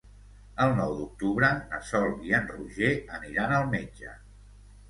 El nou d'octubre na Sol i en Roger aniran al metge.